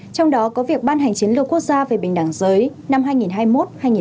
trong đó có việc ban hành chiến lược quốc gia về bình đẳng giới năm hai nghìn hai mươi một hai nghìn ba mươi